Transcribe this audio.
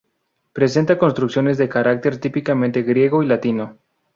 Presenta construcciones de carácter típicamente griego y latino.